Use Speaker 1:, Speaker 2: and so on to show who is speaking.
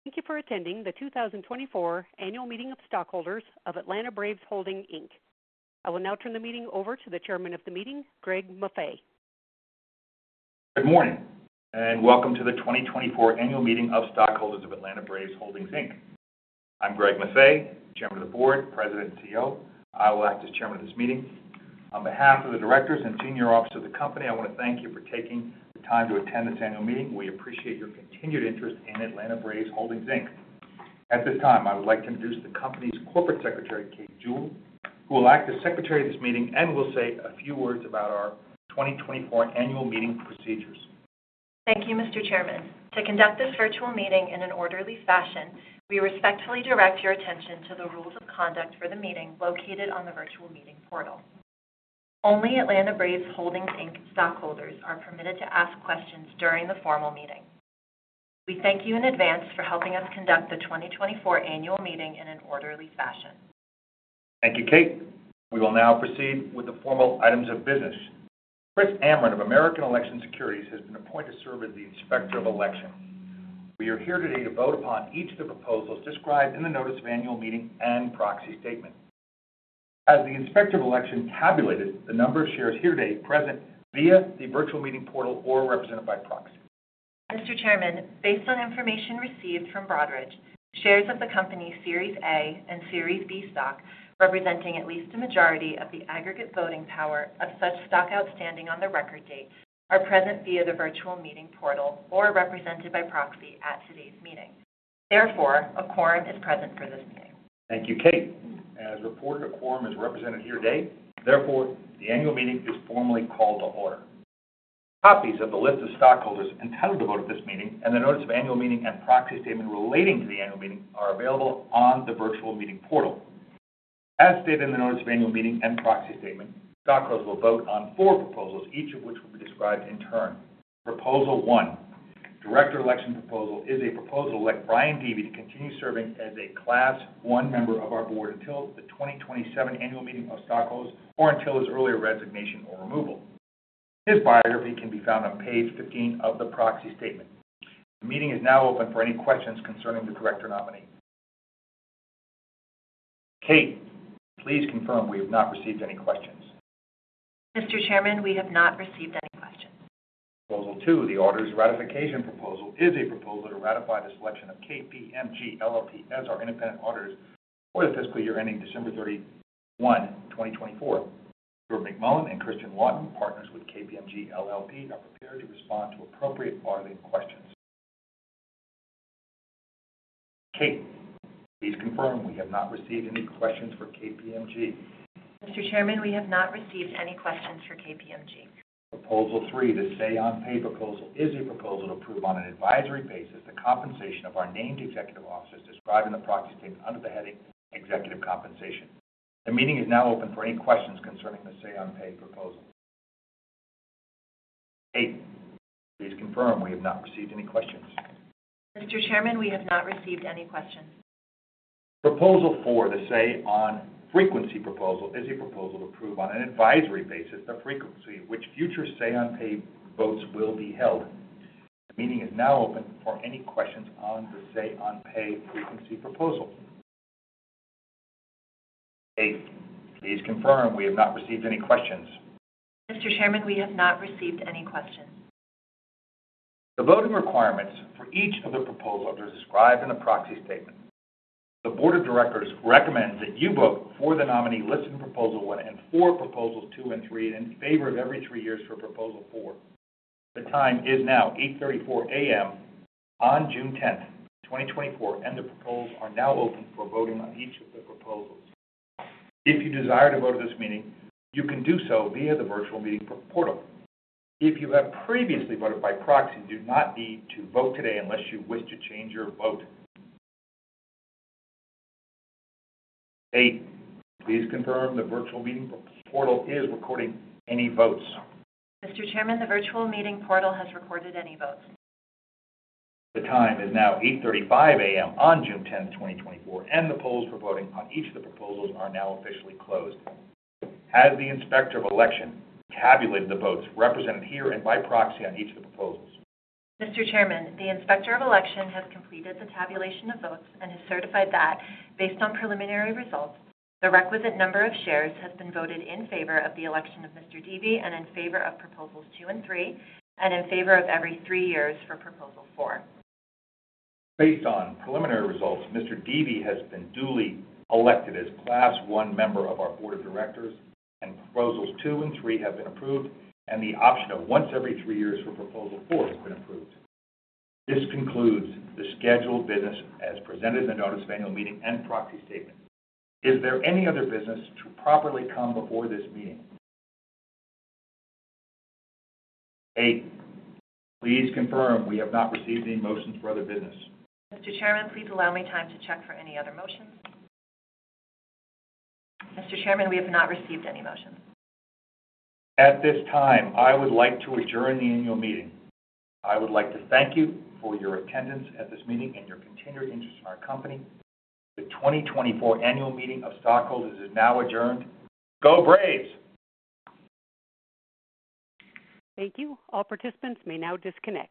Speaker 1: Thank you for attending the 2024 Annual Meeting of Stockholders of Atlanta Braves Holdings, Inc. I will now turn the meeting over to the Chairman of the Meeting, Greg Maffei.
Speaker 2: Good morning and welcome to the 2024 Annual Meeting of Stockholders of Atlanta Braves Holdings, Inc. I'm Greg Maffei, Chairman of the Board, President, and CEO. I will act as Chairman of this meeting. On behalf of the Directors and Senior Officers of the Company, I want to thank you for taking the time to attend this Annual Meeting. We appreciate your continued interest in Atlanta Braves Holdings, Inc. At this time, I would like to introduce the Company's Corporate Secretary, Kate Jewell, who will act as Secretary of this meeting and will say a few words about our 2024 Annual Meeting procedures.
Speaker 3: Thank you, Mr. Chairman. To conduct this virtual meeting in an orderly fashion, we respectfully direct your attention to the rules of conduct for the meeting located on the virtual meeting portal. Only Atlanta Braves Holdings, Inc. stockholders are permitted to ask questions during the formal meeting. We thank you in advance for helping us conduct the 2024 Annual Meeting in an orderly fashion.
Speaker 2: Thank you, Kate. We will now proceed with the formal items of business. Chris Amron of American Election Services has been appointed to serve as the Inspector of Election. We are here today to vote upon each of the proposals described in the Notice of Annual Meeting and Proxy Statement. Has the Inspector of Election tabulated the number of shares here today present via the virtual meeting portal or represented by proxy?
Speaker 3: Mr. Chairman, based on information received from Broadridge, shares of the Company's Series A and Series B stock representing at least a majority of the aggregate voting power of such stock outstanding on the record date are present via the virtual meeting portal or represented by proxy at today's meeting. Therefore, a quorum is present for this meeting.
Speaker 2: Thank you, Kate. As reported, a quorum is represented here today. Therefore, the Annual Meeting is formally called to order. Copies of the list of stockholders entitled to vote at this meeting and the Notice of Annual Meeting and Proxy Statement relating to the Annual Meeting are available on the virtual meeting portal. As stated in the Notice of Annual Meeting and Proxy Statement, stockholders will vote on four proposals, each of which will be described in turn. Proposal one: Director Election Proposal is a proposal to let Brian Deevy to continue serving as a Class One member of our Board until the 2027 Annual Meeting of Stockholders or until his earlier resignation or removal. His biography can be found on page 15 of the Proxy Statement. The meeting is now open for any questions concerning the Director Nominee. Kate, please confirm we have not received any questions.
Speaker 3: Mr. Chairman, we have not received any questions.
Speaker 2: Proposal Two: The Auditors Ratification Proposal is a proposal to ratify the selection of KPMG LLP as our independent auditors for the fiscal year ending December 31, 2024. Mr. McMullen and Christian Lawton, partners with KPMG LLP, are prepared to respond to appropriate auditing questions. Kate, please confirm we have not received any questions for KPMG.
Speaker 3: Mr. Chairman, we have not received any questions for KPMG.
Speaker 2: Proposal three: The Say On Pay proposal is a proposal to approve on an advisory basis the compensation of our named executive officers described in the Proxy Statement under the heading Executive Compensation. The meeting is now open for any questions concerning the Say On Pay proposal. Kate, please confirm we have not received any questions.
Speaker 3: Mr. Chairman, we have not received any questions.
Speaker 2: Proposal four: The Say On Frequency proposal is a proposal to approve on an advisory basis the frequency at which future Say On Pay votes will be held. The meeting is now open for any questions on the Say On Pay frequency proposal. Kate, please confirm we have not received any questions.
Speaker 3: Mr. Chairman, we have not received any questions.
Speaker 2: The voting requirements for each of the proposals are described in the Proxy Statement. The Board of Directors recommends that you vote for the nominee listed in Proposal One and for Proposals Two and Three and in favor of every three years for Proposal Four. The time is now 8:34 A.M. on June 10th, 2024, and the proposals are now open for voting on each of the proposals. If you desire to vote at this meeting, you can do so via the virtual meeting portal. If you have previously voted by proxy, you do not need to vote today unless you wish to change your vote. Kate, please confirm the virtual meeting portal is recording any votes.
Speaker 3: Mr. Chairman, the virtual meeting portal has recorded any votes.
Speaker 2: The time is now 8:35 A.M. on June 10th, 2024, and the polls for voting on each of the proposals are now officially closed. Has the Inspector of Election tabulated the votes represented here and by proxy on each of the proposals?
Speaker 3: Mr. Chairman, the Inspector of Election has completed the tabulation of votes and has certified that, based on preliminary results, the requisite number of shares has been voted in favor of the election of Mr. Deevy and in favor of Proposals Two and Three and in favor of every three years for Proposal Four.
Speaker 2: Based on preliminary results, Mr. Deevy has been duly elected as Class One member of our Board of Directors and Proposals Two and Three have been approved, and the option of once every three years for Proposal Four has been approved. This concludes the scheduled business as presented in the Notice of Annual Meeting and Proxy Statement. Is there any other business to properly come before this meeting? Kate, please confirm we have not received any motions for other business.
Speaker 3: Mr. Chairman, please allow me time to check for any other motions. Mr. Chairman, we have not received any motions.
Speaker 2: At this time, I would like to adjourn the Annual Meeting. I would like to thank you for your attendance at this meeting and your continued interest in our Company. The 2024 Annual Meeting of Stockholders is now adjourned. Go Braves!
Speaker 1: Thank you. All participants may now disconnect.